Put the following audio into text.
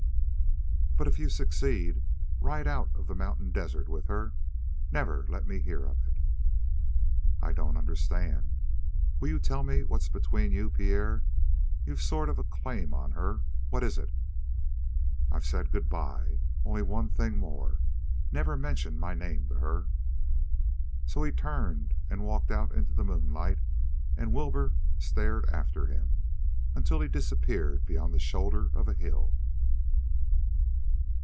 "But if you succeed, ride out of the mountain desert with her never let me hear of it." "I don't understand. Will you tell me what's between you, Pierre? You've some sort of claim on her. What is it?" "I've said good bye. Only one thing more. Never mention my name to her." So he turned and walked out into the moonlight and Wilbur stared after him until he disappeared beyond the shoulder of a hill.